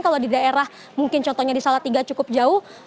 kalau di daerah mungkin contohnya di salatiga cukup jauh